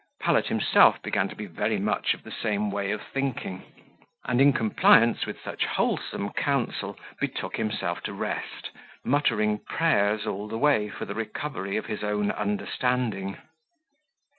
Pallet himself began to be very much of the same way of thinking; and, in compliance with such wholesome counsel, betook himself to rest, muttering prayers all the way for the recovery of his own understanding.